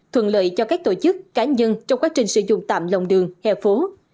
thuận lợi cho các tổ chức cá nhân trong quá trình sử dụng tạm lòng đường hè phố